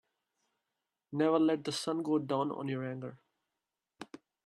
Never let the sun go down on your anger.